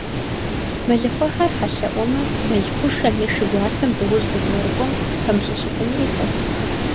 Мэлыхъуэхьэр хьэлъэӏуэмэ, мэл хъушэм е шы гуартэм дыгъужь къебгъэрыкӀуэм, пэмылъэщыфынри хэлът.